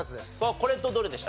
これとどれでした？